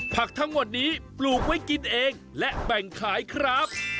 ผักทั้งหมดนี้ปลูกไว้กินเองและแบ่งขายครับ